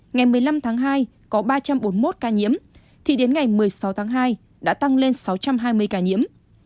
ngày một mươi năm tháng hai có ba trăm bốn mươi một ca nhiễm thì đến ngày một mươi sáu tháng hai đã tăng lên sáu trăm hai mươi ca nhiễm